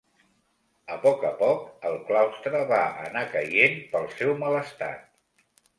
A poc a poc, el claustre va anar caient pel seu mal estat.